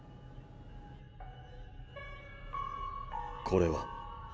これは？